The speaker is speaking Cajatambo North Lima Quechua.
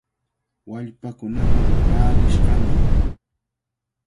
Wallpaakunaqa paarishqami.